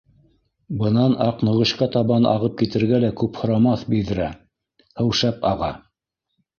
Бынан Аҡнөгөшкә табан ағып китергә лә күп һорамаҫ биҙрә, һыу шәп аға